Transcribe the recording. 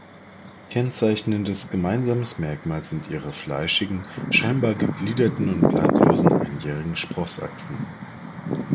Kennzeichnendes gemeinsames Merkmal sind ihre fleischigen, scheinbar gegliederten und blattlosen, einjährigen Sprossachsen.